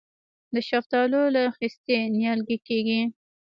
د شفتالو له خستې نیالګی کیږي؟